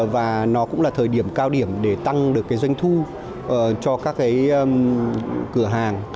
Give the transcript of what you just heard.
và nó cũng là thời điểm cao điểm để tăng được cái doanh thu cho các cái cửa hàng